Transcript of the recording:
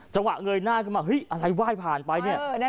เงยหน้าขึ้นมาเฮ้ยอะไรไหว้ผ่านไปเนี่ย